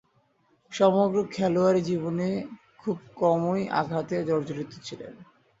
সমগ্র খেলোয়াড়ী জীবনে খুব কমই আঘাতে জর্জরিত ছিলেন।